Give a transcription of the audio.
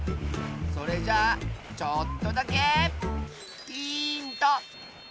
それじゃあちょっとだけヒント！